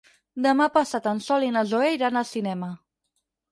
Demà passat en Sol i na Zoè iran al cinema.